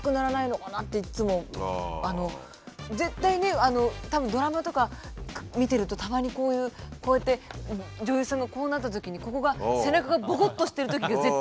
絶対ねたぶんドラマとか見てるとたまにこういうこうやって女優さんがこうなったときにここが背中がボコっとしてるときが絶対。